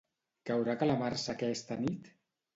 Caurà calamarsa aquesta nit?